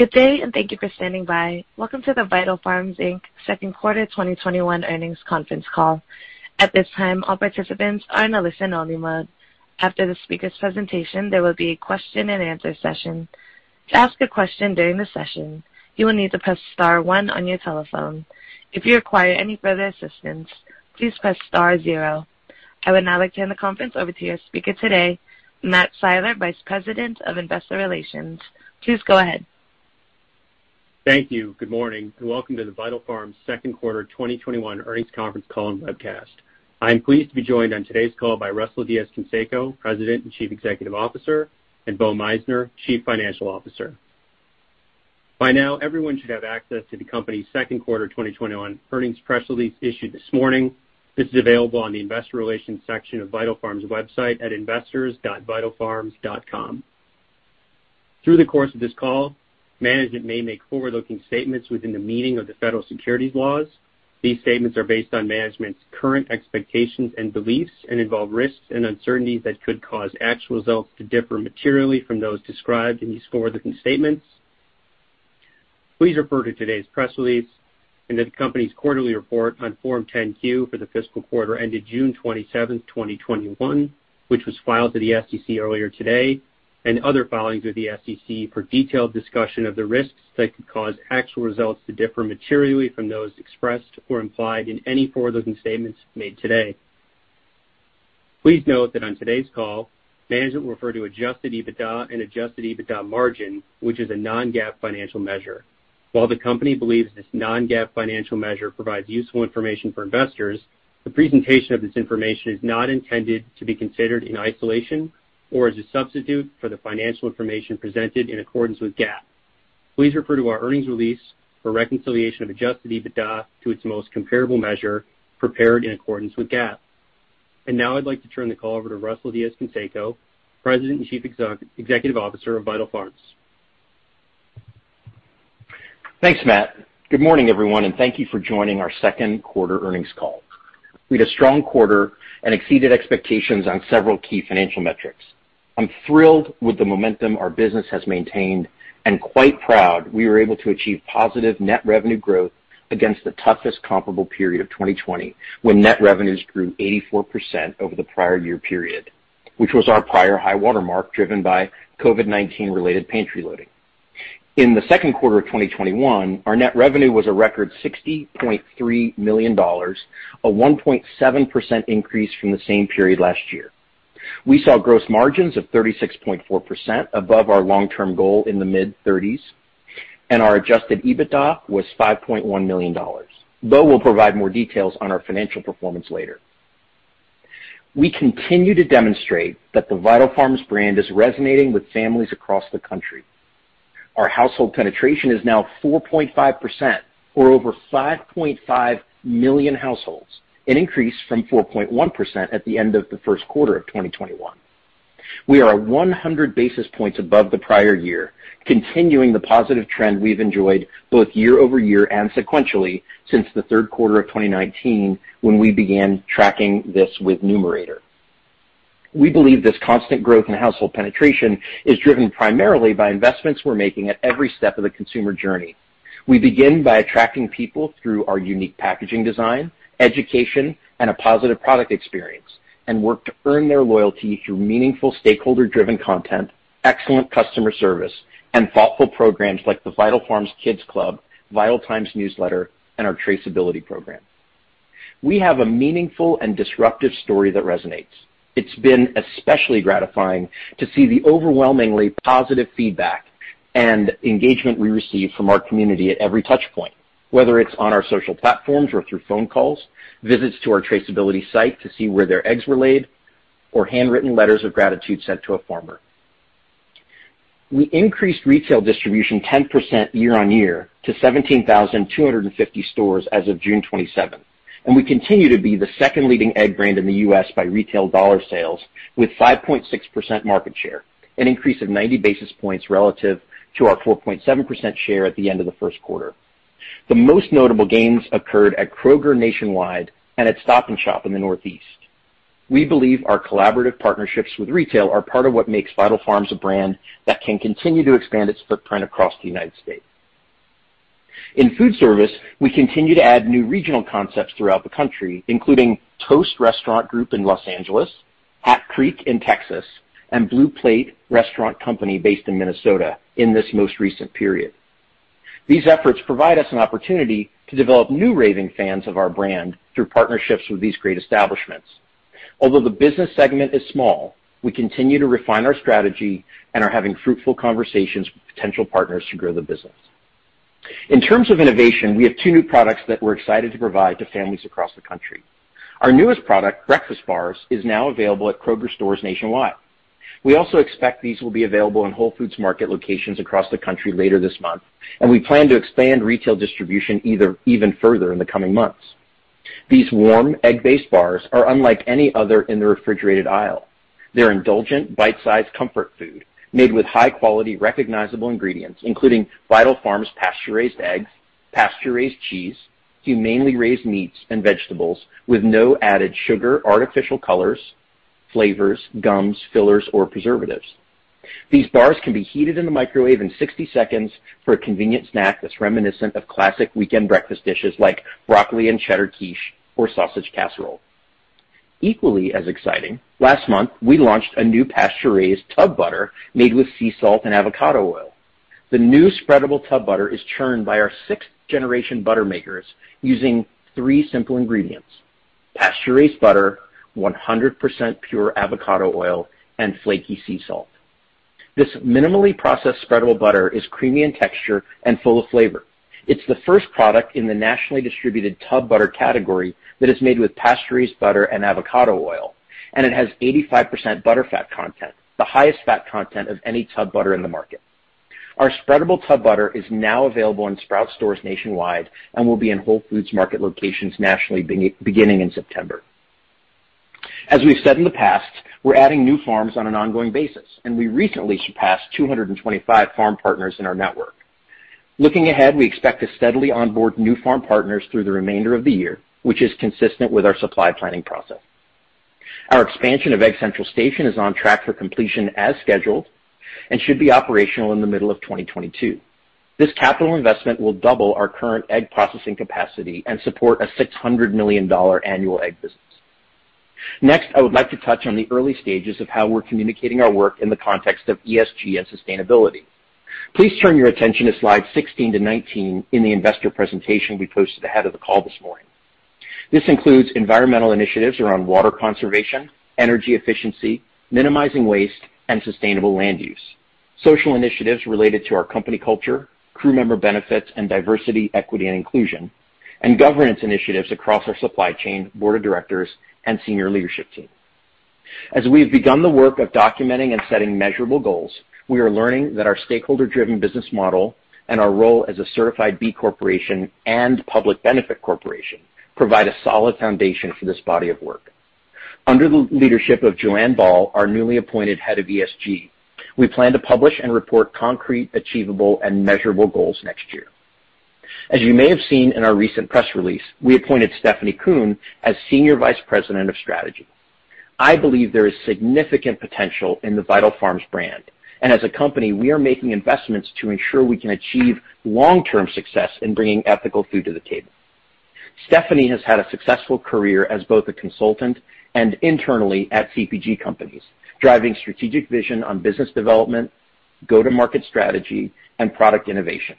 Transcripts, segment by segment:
Good day, and thank you for standing by. Welcome to the Vital Farms Inc. second quarter 2021 earnings conference call. At this time, all participants are in a listen-only mode. After the speaker's presentation, there will be a question and answer session. I would now like to hand the conference over to your speaker today, Matt Siler, Vice President of Investor Relations. Please go ahead. Thank you. Good morning, welcome to the Vital Farms Q2 2021 earnings conference call and webcast. I am pleased to be joined on today's call by Russell Diez-Canseco, President and Chief Executive Officer, and Bo Meissner, Chief Financial Officer. By now, everyone should have access to the company's Q2 2021 earnings press release issued this morning. This is available on the investor relations section of Vital Farms' website at investors.vitalfarms.com. Through the course of this call, management may make forward-looking statements within the meaning of the federal securities laws. These statements are based on management's current expectations and beliefs and involve risks and uncertainties that could cause actual results to differ materially from those described in these forward-looking statements. Please refer to today's press release and the company's quarterly report on Form 10-Q for the fiscal quarter ended June 27th, 2021, which was filed to the SEC earlier today, and other filings with the SEC for a detailed discussion of the risks that could cause actual results to differ materially from those expressed or implied in any forward-looking statements made today. Please note that on today's call, management will refer to adjusted EBITDA and adjusted EBITDA margin, which is a non-GAAP financial measure. While the company believes this non-GAAP financial measure provides useful information for investors, the presentation of this information is not intended to be considered in isolation or as a substitute for the financial information presented in accordance with GAAP. Please refer to our earnings release for a reconciliation of adjusted EBITDA to its most comparable measure prepared in accordance with GAAP. Now I'd like to turn the call over to Russell Diez-Canseco, President and Chief Executive Officer of Vital Farms. Thanks, Matt. Good morning, everyone, and thank you for joining our second quarter earnings call. We had a strong quarter and exceeded expectations on several key financial metrics. I'm thrilled with the momentum our business has maintained and quite proud we were able to achieve positive net revenue growth against the toughest comparable period of 2020, when net revenues grew 84% over the prior year period, which was our prior high watermark driven by COVID-19 related pantry loading. In the second quarter of 2021, our net revenue was a record $60.3 million, a 1.7% increase from the same period last year. We saw gross margins of 36.4%, above our long-term goal in the mid-30s, and our adjusted EBITDA was $5.1 million. Bo will provide more details on our financial performance later. We continue to demonstrate that the Vital Farms brand is resonating with families across the country. Our household penetration is now 4.5%, or over 5.5 million households, an increase from 4.1% at the end of the first quarter of 2021. We are 100 basis points above the prior year, continuing the positive trend we've enjoyed both year-over-year and sequentially since the third quarter of 2019, when we began tracking this with Numerator. We believe this constant growth in household penetration is driven primarily by investments we're making at every step of the consumer journey. We begin by attracting people through our unique packaging design, education, and a positive product experience, and work to earn their loyalty through meaningful stakeholder-driven content, excellent customer service, and thoughtful programs like the Vital Farms Kids Club, Vital Times newsletter, and our traceability program. We have a meaningful and disruptive story that resonates. It's been especially gratifying to see the overwhelmingly positive feedback and engagement we receive from our community at every touchpoint, whether it's on our social platforms or through phone calls, visits to our traceability site to see where their eggs were laid, or handwritten letters of gratitude sent to a farmer. We increased retail distribution 10% year-on-year to 17,250 stores as of June 27th, and we continue to be the second leading egg brand in the U.S. by retail dollar sales with 5.6% market share, an increase of 90 basis points relative to our 4.7% share at the end of the first quarter. The most notable gains occurred at Kroger nationwide and at Stop & Shop in the Northeast. We believe our collaborative partnerships with retail are part of what makes Vital Farms a brand that can continue to expand its footprint across the United States. In food service, we continue to add new regional concepts throughout the country, including Toscana Restaurant Group in L.A., Hat Creek in Texas, and Blue Plate Restaurant Company based in Minnesota in this most recent period. These efforts provide us an opportunity to develop new raving fans of our brand through partnerships with these great establishments. Although the business segment is small, we continue to refine our strategy and are having fruitful conversations with potential partners to grow the business. In terms of innovation, we have two new products that we're excited to provide to families across the country. Our newest product, Breakfast Bars, is now available at Kroger stores nationwide. We also expect these will be available in Whole Foods Market locations across the country later this month, and we plan to expand retail distribution even further in the coming months. These warm, egg-based bars are unlike any other in the refrigerated aisle. They're indulgent, bite-sized comfort food made with high-quality, recognizable ingredients, including Vital Farms pasture-raised eggs, pasture-raised cheese, humanely raised meats and vegetables with no added sugar, artificial colors, flavors, gums, fillers, or preservatives. These bars can be heated in the microwave in 60 seconds for a convenient snack that's reminiscent of classic weekend breakfast dishes like broccoli and cheddar quiche or sausage casserole. Equally as exciting, last month, we launched a new pasture-raised tub butter made with sea salt and avocado oil. The new spreadable tub butter is churned by our sixth-generation butter makers using three simple ingredients: pasture-raised butter, 100% pure avocado oil, and flaky sea salt. This minimally processed spreadable butter is creamy in texture and full of flavor. It's the first product in the nationally distributed tub butter category that is made with pasture-raised butter and avocado oil, and it has 85% butter fat content, the highest fat content of any tub butter in the market. Our spreadable tub butter is now available in Sprouts stores nationwide and will be in Whole Foods Market locations nationally beginning in September. As we've said in the past, we're adding new farms on an ongoing basis, and we recently surpassed 225 farm partners in our network. Looking ahead, we expect to steadily onboard new farm partners through the remainder of the year, which is consistent with our supply planning process. Our expansion of Egg Central Station is on track for completion as scheduled and should be operational in the middle of 2022. This capital investment will double our current egg processing capacity and support a $600 million annual egg business. Next, I would like to touch on the early stages of how we're communicating our work in the context of ESG and sustainability. Please turn your attention to slides 16-19 in the investor presentation we posted ahead of the call this morning. This includes environmental initiatives around water conservation, energy efficiency, minimizing waste, and sustainable land use. Social initiatives related to our company culture, crew member benefits, and diversity, equity, and inclusion. Governance initiatives across our supply chain, board of directors, and senior leadership team. As we have begun the work of documenting and setting measurable goals, we are learning that our stakeholder-driven business model and our role as a certified B Corporation and public benefit corporation provide a solid foundation for this body of work. Under the leadership of Joanne Bal, our newly appointed head of ESG, we plan to publish and report concrete, achievable, and measurable goals next year. As you may have seen in our recent press release, we appointed Stephanie Coon as Senior Vice President of Strategy. I believe there is significant potential in the Vital Farms brand, and as a company, we are making investments to ensure we can achieve long-term success in bringing ethical food to the table. Stephanie has had a successful career as both a consultant and internally at CPG companies, driving strategic vision on business development, go-to-market strategy, and product innovation.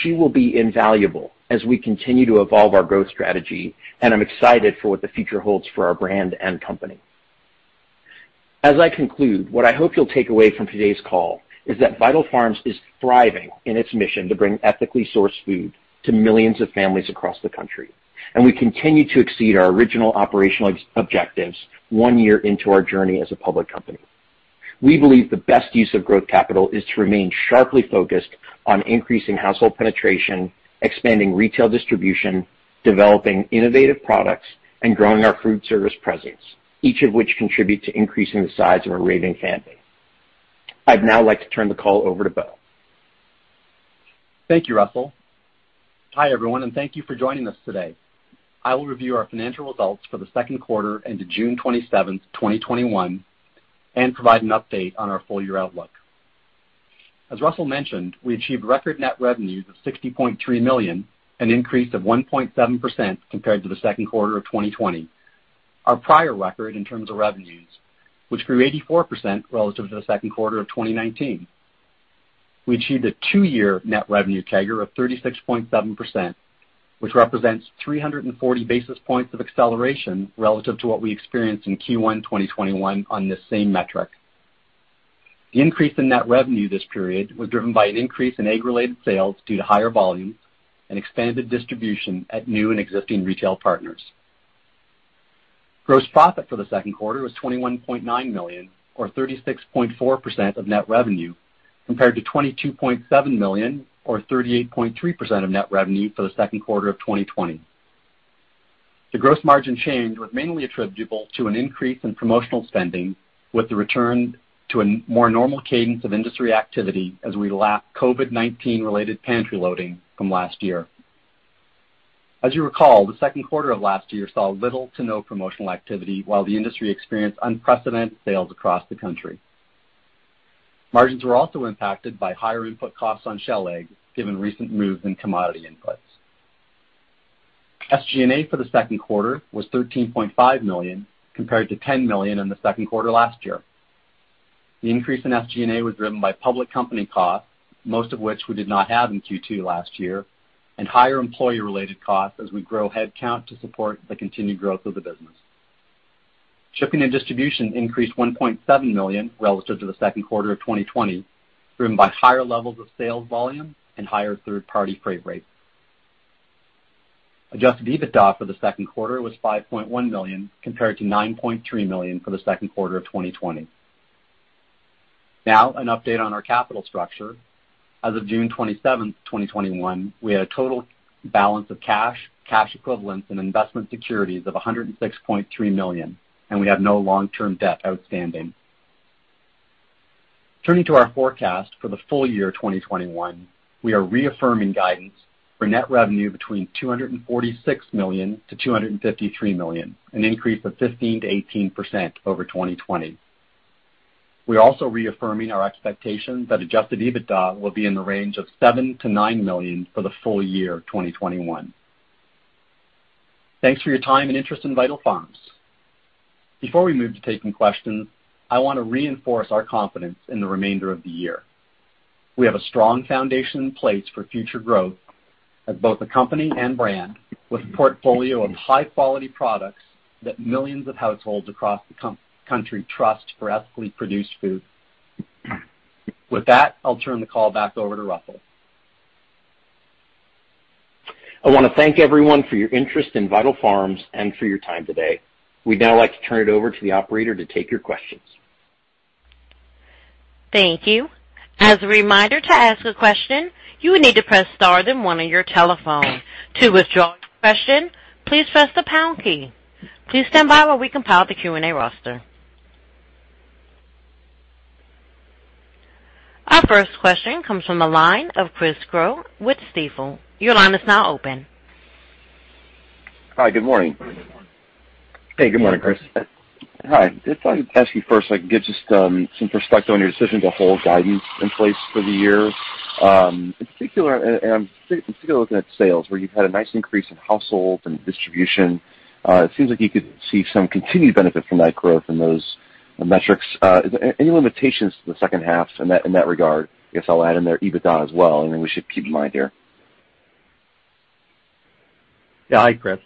She will be invaluable as we continue to evolve our growth strategy, and I am excited for what the future holds for our brand and company. As I conclude, what I hope you'll take away from today's call is that Vital Farms is thriving in its mission to bring ethically sourced food to millions of families across the country, and we continue to exceed our original operational objectives one year into our journey as a public company. We believe the best use of growth capital is to remain sharply focused on increasing household penetration, expanding retail distribution, developing innovative products, and growing our food service presence, each of which contribute to increasing the size of our raving fan base. I'd now like to turn the call over to Bo. Thank you, Russell. Hi, everyone, and thank you for joining us today. I will review our financial results for the second quarter ended June 27, 2021, and provide an update on our full-year outlook. As Russell mentioned, we achieved record net revenues of $60.3 million, an increase of 1.7% compared to the second quarter of 2020, our prior record in terms of revenues, which grew 84% relative to the second quarter of 2019. We achieved a two-year net revenue CAGR of 36.7%, which represents 340 basis points of acceleration relative to what we experienced in Q1 2021 on this same metric. The increase in net revenue this period was driven by an increase in egg-related sales due to higher volume and expanded distribution at new and existing retail partners. Gross profit for the second quarter was $21.9 million, or 36.4% of net revenue, compared to $22.7 million, or 38.3% of net revenue for the second quarter of 2020. The gross margin change was mainly attributable to an increase in promotional spending with the return to a more normal cadence of industry activity as we lap COVID-19 related pantry loading from last year. As you recall, the second quarter of last year saw little to no promotional activity while the industry experienced unprecedented sales across the country. Margins were also impacted by higher input costs on shell eggs, given recent moves in commodity inputs. SG&A for the second quarter was $13.5 million, compared to $10 million in the second quarter last year. The increase in SG&A was driven by public company costs, most of which we did not have in Q2 last year, and higher employee-related costs as we grow headcount to support the continued growth of the business. Shipping and distribution increased $1.7 million relative to the second quarter of 2020, driven by higher levels of sales volume and higher third-party freight rates. Adjusted EBITDA for the second quarter was $5.1 million, compared to $9.3 million for the second quarter of 2020. An update on our capital structure. As of June 27th, 2021, we had a total balance of cash equivalents, and investment securities of $106.3 million, and we have no long-term debt outstanding. Turning to our forecast for the full year 2021, we are reaffirming guidance for net revenue between $246 million-$253 million, an increase of 15%-18% over 2020. We're also reaffirming our expectation that adjusted EBITDA will be in the range of $7 million-$9 million for the full year 2021. Thanks for your time and interest in Vital Farms. Before we move to taking questions, I want to reinforce our confidence in the remainder of the year. We have a strong foundation in place for future growth as both a company and brand with a portfolio of high-quality products that millions of households across the country trust for ethically produced food. With that, I'll turn the call back over to Russell. I want to thank everyone for your interest in Vital Farms and for your time today. We'd now like to turn it over to the operator to take your questions. Thank you. As a reminder, to ask a question, you would need to press star then one on your telephone. To withdraw your question, please press the pound key. Please stand by while we compile the Q&A roster. Our first question comes from the line of Chris Crowe with Stifel. Your line is now open. Hi, good morning. Hey, good morning, Chris. Hi. Just wanted to ask you first so I can get just some perspective on your decision to hold guidance in place for the year. In particular, looking at sales, where you've had a nice increase in households and distribution, it seems like you could see some continued benefit from that growth and those metrics. Any limitations to the second half in that regard? I guess I'll add in there EBITDA as well, anything we should keep in mind here? Yeah. Hi, Chris.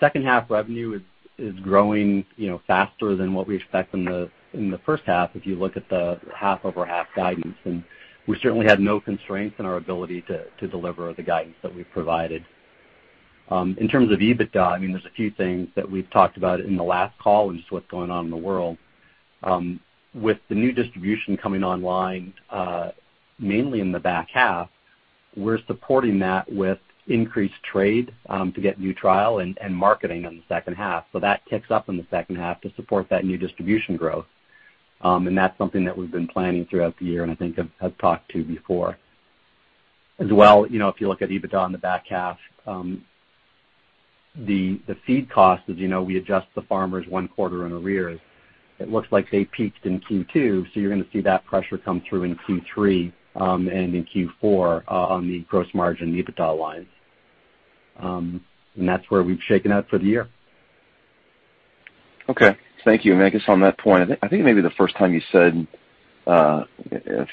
Second half revenue is growing faster than what we expect in the first half, if you look at the half-over-half guidance. We certainly have no constraints in our ability to deliver the guidance that we've provided. In terms of EBITDA, there's a few things that we've talked about in the last call and just what's going on in the world. With the new distribution coming online, mainly in the back half, we're supporting that with increased trade to get new trial and marketing in the second half. That kicks up in the second half to support that new distribution growth, and that's something that we've been planning throughout the year and I think have talked to before. As well, if you look at EBITDA in the back half, the feed cost, as you know, we adjust the farmers one quarter in arrears. It looks like they peaked in Q2. You're going to see that pressure come through in Q3 and in Q4 on the gross margin EBITDA lines. That's where we've shaken out for the year. Okay. Thank you. I guess on that point, I think maybe the first time you said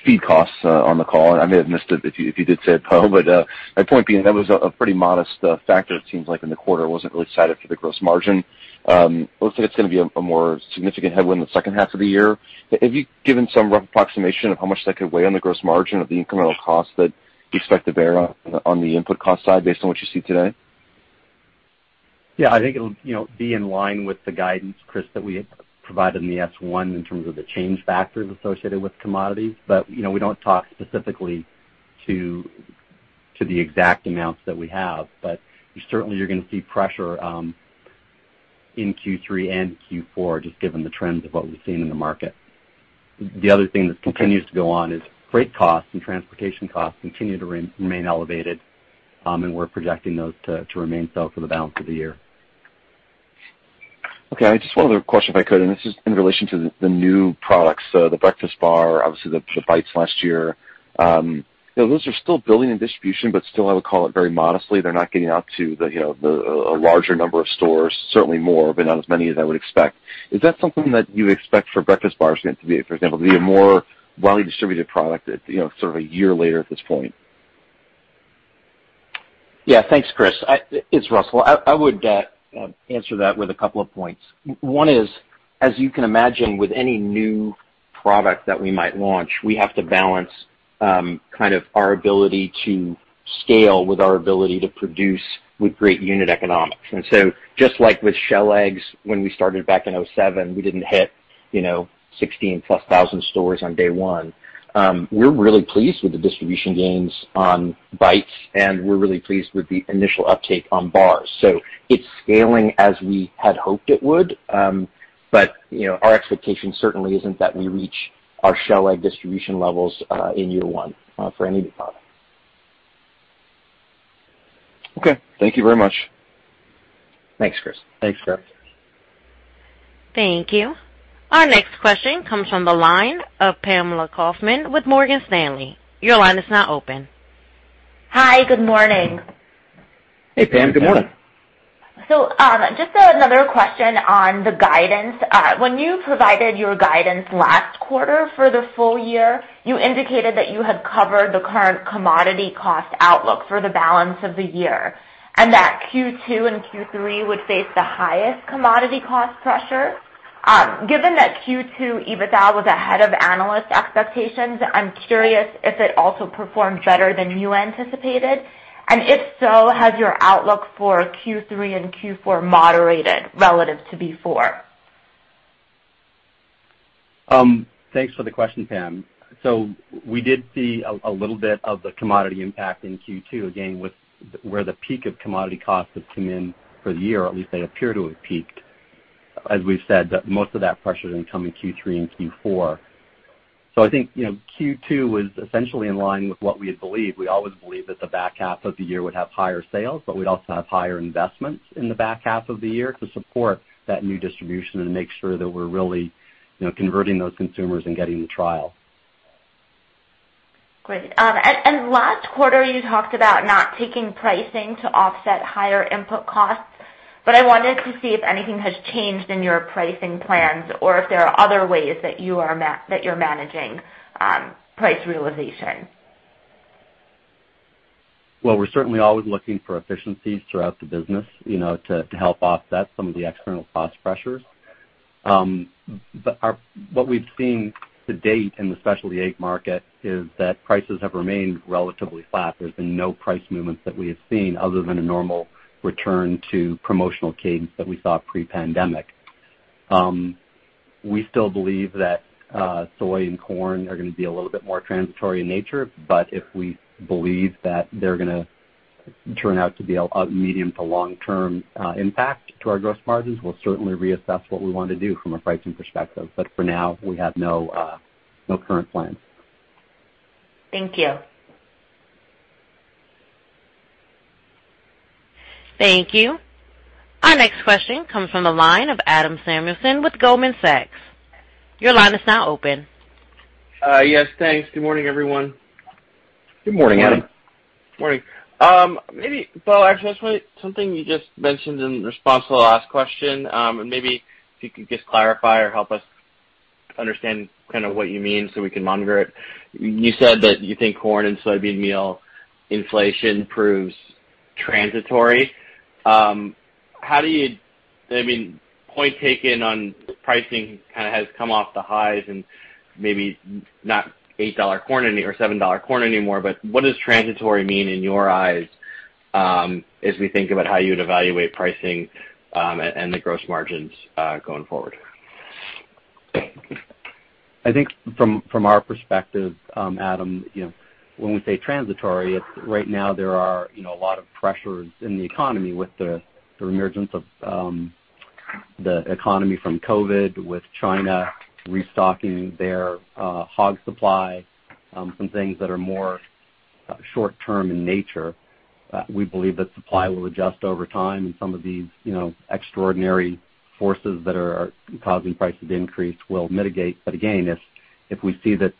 feed costs on the call, and I may have missed it if you did say it, Bo but my point being, that was a pretty modest factor it seems like in the quarter. It wasn't really cited for the gross margin. It looks like it's going to be a more significant headwind in the second half of the year. Have you given some rough approximation of how much that could weigh on the gross margin of the incremental cost that you expect to bear on the input cost side based on what you see today? I think it'll be in line with the guidance, Chris, that we had provided in the S-1 in terms of the change factors associated with commodities. We don't talk specifically to the exact amounts that we have. Certainly, you're going to see pressure in Q3 and Q4, just given the trends of what we've seen in the market. The other thing that continues to go on is freight costs and transportation costs continue to remain elevated, and we're projecting those to remain so for the balance of the year. Okay. Just one other question if I could, and this is in relation to the new products. The Breakfast Bars, obviously the Egg Bites last year. Those are still building in distribution, but still I would call it very modestly. They're not getting out to a larger number of stores. Certainly more, but not as many as I would expect. Is that something that you expect for Breakfast Bars for it to be, for example, to be a more widely distributed product at sort of a year later at this point? Yeah. Thanks, Chris. It's Russell. I would answer that with a couple of points. One is, as you can imagine, with any new product that we might launch, we have to balance kind of our ability to scale with our ability to produce with great unit economics. Just like with shell eggs when we started back in 2007, we didn't hit 16,000+ stores on day one. We're really pleased with the distribution gains on Bites, and we're really pleased with the initial uptake on bars. It's scaling as we had hoped it would. Our expectation certainly isn't that we reach our shell egg distribution levels in year one for any new product. Okay. Thank you very much. Thanks, Chris. Thanks, Chris. Thank you. Our next question comes from the line of Pamela Kaufman with Morgan Stanley. Your line is now open. Hi, good morning. Hey, Pam. Good morning. Just another question on the guidance. When you provided your guidance last quarter for the full year, you indicated that you had covered the current commodity cost outlook for the balance of the year and that Q2 and Q3 would face the highest commodity cost pressure. Given that Q2 EBITDA was ahead of analyst expectations, I'm curious if it also performed better than you anticipated, and if so, has your outlook for Q3 and Q4 moderated relative to before? Thanks for the question, Pam. We did see a little bit of the commodity impact in Q2. Again, where the peak of commodity costs have come in for the year, at least they appear to have peaked. As we've said, most of that pressure is going to come in Q3 and Q4. I think, Q2 was essentially in line with what we had believed. We always believed that the back half of the year would have higher sales, but we'd also have higher investments in the back half of the year to support that new distribution and make sure that we're really converting those consumers and getting the trial. Great. Last quarter, you talked about not taking pricing to offset higher input costs, but I wanted to see if anything has changed in your pricing plans or if there are other ways that you're managing price realization. Well, we're certainly always looking for efficiencies throughout the business to help offset some of the external cost pressures. What we've seen to date in the specialty egg market is that prices have remained relatively flat. There's been no price movements that we have seen other than a normal return to promotional cadence that we saw pre-pandemic. We still believe that soy and corn are going to be a little bit more transitory in nature, but if we believe that they're going to turn out to be a medium to long-term impact to our gross margins, we'll certainly reassess what we want to do from a pricing perspective. For now, we have no current plans. Thank you. Thank you. Our next question comes from the line of Adam Samuelson with Goldman Sachs. Your line is now open. Yes, thanks. Good morning, everyone. Good morning, Adam. Morning. Maybe, Bo, actually, something you just mentioned in response to the last question, and maybe if you could just clarify or help us understand what you mean so we can monitor it. You said that you think corn and soybean meal inflation proves transitory. I mean, point taken on pricing kind of has come off the highs and maybe not $8 corn or $7 corn anymore, but what does transitory mean in your eyes as we think about how you'd evaluate pricing and the gross margins going forward? I think from our perspective, Adam, when we say transitory, right now there are a lot of pressures in the economy with the reemergence of the economy from COVID, with China restocking their hog supply, some things that are more short-term in nature. We believe that supply will adjust over time and some of these extraordinary forces that are causing prices increase will mitigate. Again, if we see that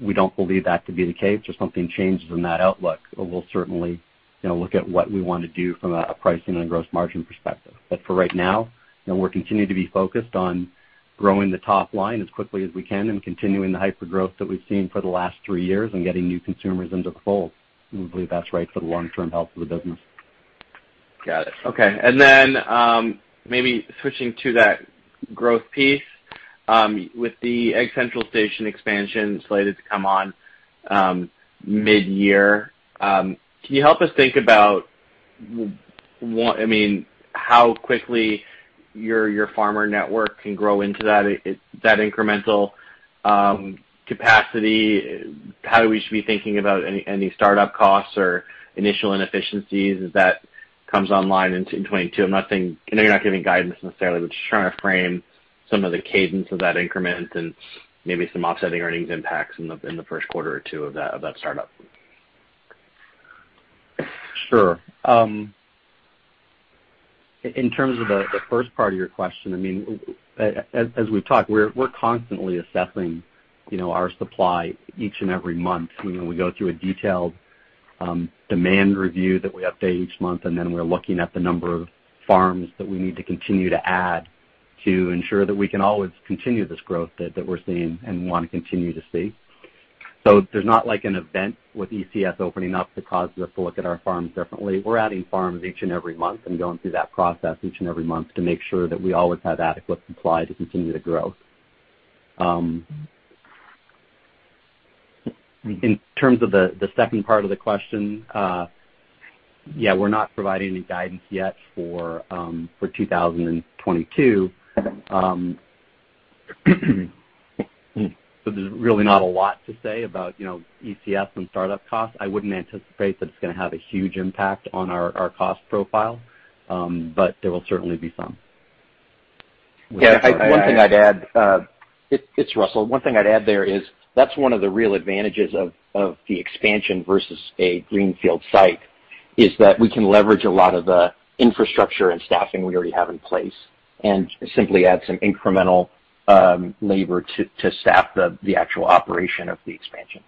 we don't believe that to be the case or something changes in that outlook, we'll certainly look at what we want to do from a pricing and gross margin perspective. For right now, we're continuing to be focused on growing the top line as quickly as we can and continuing the hyper-growth that we've seen for the last three years and getting new consumers into the fold. We believe that's right for the long-term health of the business. Got it. Okay. Then maybe switching to that growth piece, with the Egg Central Station expansion slated to come on mid-year, can you help us think about how quickly your farmer network can grow into that incremental capacity? How we should be thinking about any startup costs or initial inefficiencies as that comes online in 2022? I know you're not giving guidance necessarily, but just trying to frame some of the cadence of that increment and maybe some offsetting earnings impacts in the first quarter or two of that startup. Sure. In terms of the first part of your question, as we've talked, we're constantly assessing our supply each and every month. We go through a detailed demand review that we update each month, and then we're looking at the number of farms that we need to continue to add to ensure that we can always continue this growth that we're seeing and want to continue to see. There's not like an event with ECS opening up that causes us to look at our farms differently. We're adding farms each and every month and going through that process each and every month to make sure that we always have adequate supply to continue to grow. In terms of the second part of the question, yeah, we're not providing any guidance yet for 2022. There's really not a lot to say about ECS and startup costs. I wouldn't anticipate that it's going to have a huge impact on our cost profile, but there will certainly be some. Yeah. One thing I'd add. It's Russell. One thing I'd add there is that's one of the real advantages of the expansion versus a greenfield site is that we can leverage a lot of the infrastructure and staffing we already have in place and simply add some incremental labor to staff the actual operation of the expansion.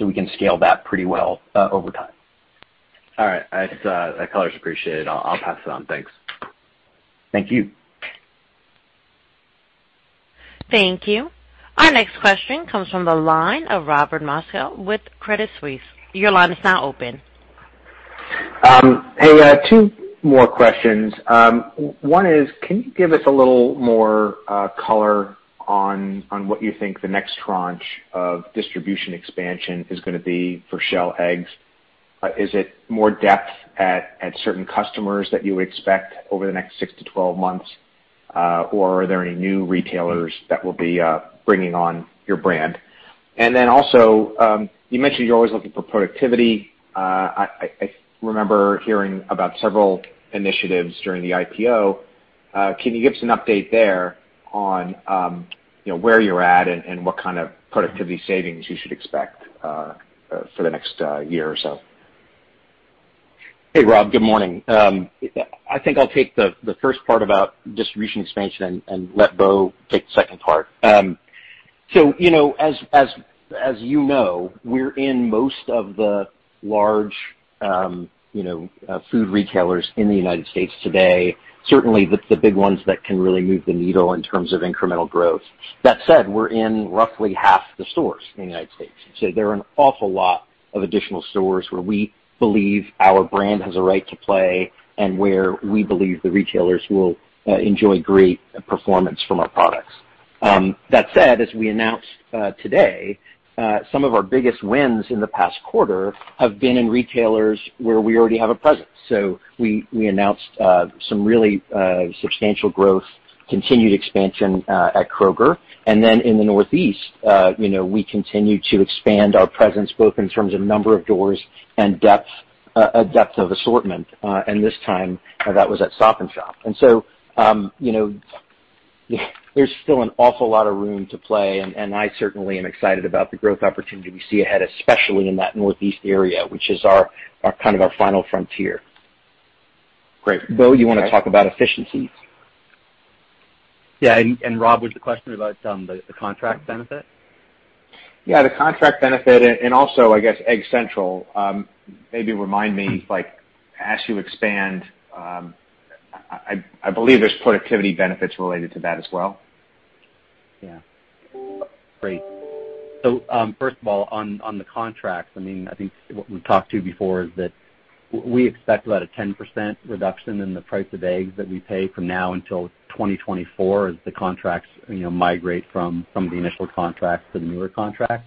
We can scale that pretty well over time. All right. That color's appreciated. I'll pass it on. Thanks. Thank you. Thank you. Our next question comes from the line of Robert Moskow with Credit Suisse. Your line is now open. Hey, two more questions. One is, can you give us a little more color on what you think the next tranche of distribution expansion is going to be for shell eggs? Is it more depth at certain customers that you expect over the next six-12 months, or are there any new retailers that will be bringing on your brand? Also, you mentioned you're always looking for productivity. I remember hearing about several initiatives during the IPO. Can you give us an update there on where you're at and what kind of productivity savings you should expect for the next year or so? Hey, Rob. Good morning. I think I'll take the first part about distribution expansion and let Bo take the second part. As you know, we're in most of the large food retailers in the United States today, certainly the big ones that can really move the needle in terms of incremental growth. That said, we're in roughly half the stores in the United States. There are an awful lot of additional stores where we believe our brand has a right to play and where we believe the retailers will enjoy great performance from our products. That said, as we announced today, some of our biggest wins in the past quarter have been in retailers where we already have a presence. We announced some really substantial growth, continued expansion at Kroger. In the Northeast, we continue to expand our presence, both in terms of number of doors and depth of assortment. This time, that was at Stop & Shop. There's still an awful lot of room to play, and I certainly am excited about the growth opportunity we see ahead, especially in that Northeast area, which is our final frontier. Great. Bo, you want to talk about efficiencies? Yeah. Rob, was the question about the contract benefit? Yeah, the contract benefit and also, I guess, Egg Central. Maybe remind me, as you expand, I believe there's productivity benefits related to that as well. Yeah. Great. First of all, on the contracts, I think what we've talked to before is that we expect about a 10% reduction in the price of eggs that we pay from now until 2024 as the contracts migrate from the initial contracts to the newer contracts,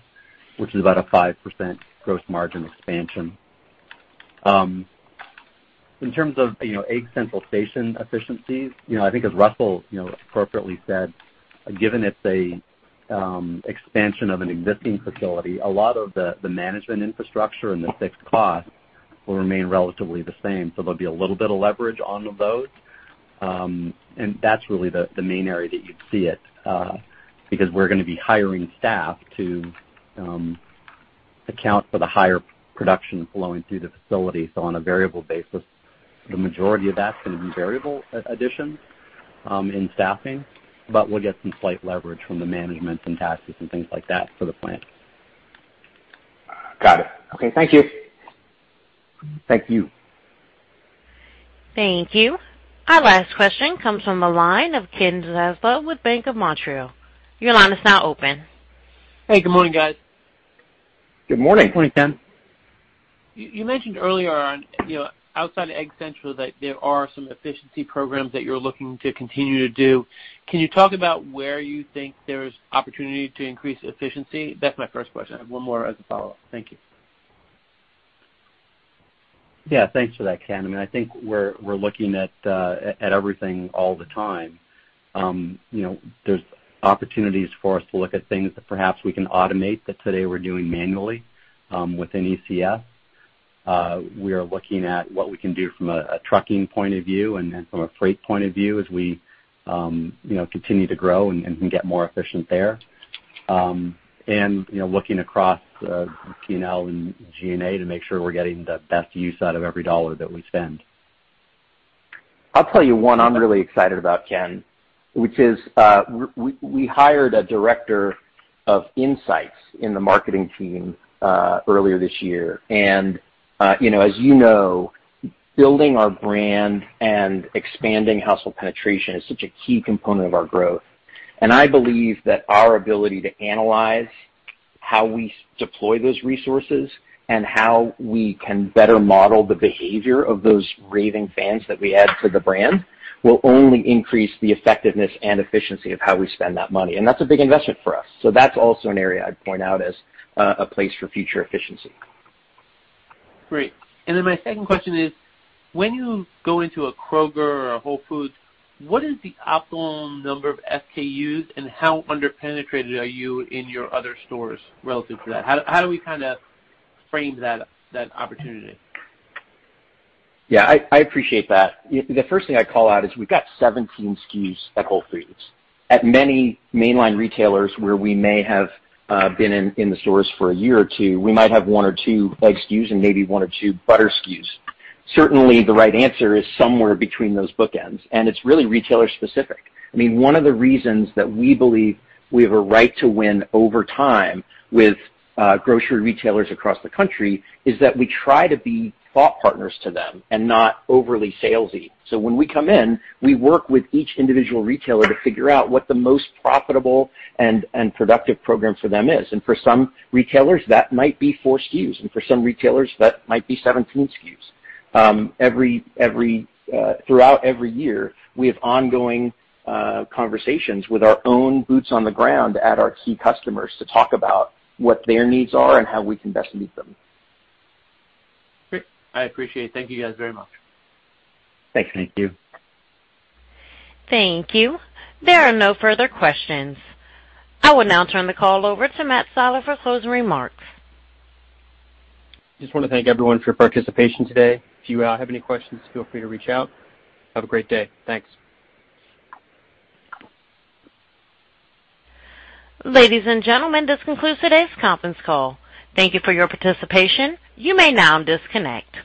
which is about a 5% gross margin expansion. In terms of Egg Central Station efficiencies, I think as Russell appropriately said, given it's a expansion of an existing facility, a lot of the management infrastructure and the fixed costs will remain relatively the same. There'll be a little bit of leverage on those. That's really the main area that you'd see it, because we're going to be hiring staff to account for the higher production flowing through the facility. On a variable basis, the majority of that is going to be variable additions in staffing, but we'll get some slight leverage from the management and taxes and things like that for the plant. Got it. Okay. Thank you. Thank you. Thank you. Our last question comes from the line of Ken Zaslow with Bank of Montreal. Your line is now open. Hey, good morning, guys. Good morning. Good morning, Ken. You mentioned earlier on, outside of Egg Central, that there are some efficiency programs that you're looking to continue to do. Can you talk about where you think there's opportunity to increase efficiency? That's my first question. I have one more as a follow-up. Thank you. Yeah, thanks for that, Ken. I think we're looking at everything all the time. There's opportunities for us to look at things that perhaps we can automate that today we're doing manually within ECS. We are looking at what we can do from a trucking point of view and then from a freight point of view as we continue to grow and can get more efficient there. Looking across P&L and G&A to make sure we're getting the best use out of every $ that we spend. I'll tell you one I'm really excited about, Ken, which is we hired a director of insights in the marketing team earlier this year. As you know, building our brand and expanding household penetration is such a key component of our growth. I believe that our ability to analyze how we deploy those resources and how we can better model the behavior of those raving fans that we add to the brand will only increase the effectiveness and efficiency of how we spend that money. That's a big investment for us. That's also an area I'd point out as a place for future efficiency. Great. My second question is, when you go into a Kroger or a Whole Foods, what is the optimal number of SKUs and how under-penetrated are you in your other stores relative to that? How do we kind of frame that opportunity? Yeah, I appreciate that. The first thing I'd call out is we've got 17 SKUs at Whole Foods. At many mainline retailers where we may have been in the stores for a year or two, we might have one or two egg SKUs and maybe one or two butter SKUs. Certainly, the right answer is somewhere between those bookends. It's really retailer specific. One of the reasons that we believe we have a right to win over time with grocery retailers across the country is that we try to be thought partners to them and not overly salesy. When we come in, we work with each individual retailer to figure out what the most profitable and productive program for them is. For some retailers, that might be four SKUs, and for some retailers, that might be 17 SKUs. Throughout every year, we have ongoing conversations with our own boots on the ground at our key customers to talk about what their needs are and how we can best meet them. Great. I appreciate it. Thank you guys very much. Thanks, Ken. Thank you. Thank you. There are no further questions. I will now turn the call over to Matt Siler for closing remarks. Just want to thank everyone for your participation today. If you have any questions, feel free to reach out. Have a great day. Thanks. Ladies and gentlemen, this concludes today's conference call. Thank you for your participation. You may now disconnect.